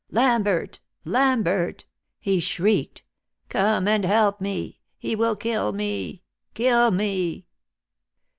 "Lambert! Lambert!" he shrieked. "Come and help me! He will kill me kill me!"